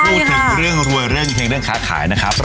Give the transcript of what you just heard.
พูดถึงเรื่องรวยเรื่องเพลงเรื่องค้าขายนะครับ